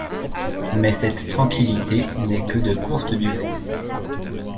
Mais cette tranquillité n'est que de courte durée.